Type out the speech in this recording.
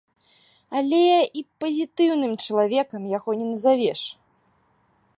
Але і пазітыўным чалавекам яго не назавеш.